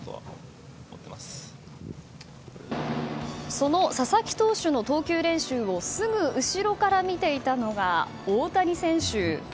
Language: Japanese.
その佐々木投手の投球練習をすぐ後ろから見ていたのが大谷選手。